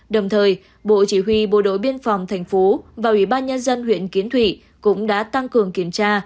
đồng thời bộ chỉ huy bộ đội biên phòng thành phố và ủy ban nhân dân huyện kiến thụy cũng đã tăng cường kiểm tra